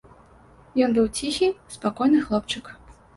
Ён быў ціхі, спакойны хлопчык.